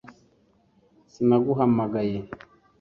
sinaguhamagaye